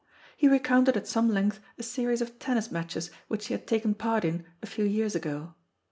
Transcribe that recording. He recounted at some length a series of tennis matches which he had taken part in a few years ago.